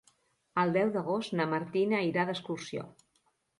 El deu d'agost na Martina irà d'excursió.